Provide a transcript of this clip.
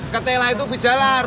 ketela itu ubi jalar